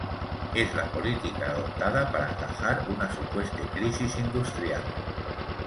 Es la política adoptada para atajar una supuesta crisis industrial.